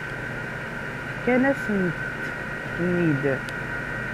Fkan-asent-ten-id.